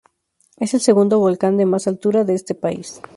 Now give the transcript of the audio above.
Es el segundo volcán de más altura de este país.